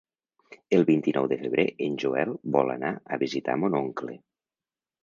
El vint-i-nou de febrer en Joel vol anar a visitar mon oncle.